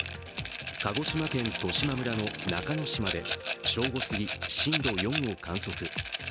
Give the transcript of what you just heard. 鹿児島県十島村の中之島で正午過ぎ、震度４を観測。